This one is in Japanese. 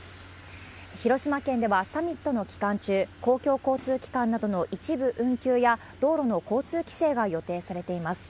広島県ではサミットの期間中、公共交通機関などの一部運休や、道路の交通規制が予定されています。